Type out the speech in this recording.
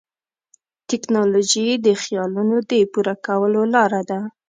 ټیکنالوژي د خیالونو د پوره کولو لاره ده.